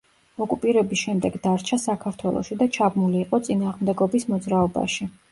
ოკუპირების შემდეგ დარჩა საქართველოში და ჩაბმული იყო წინააღმდეგობის მოძრაობაში.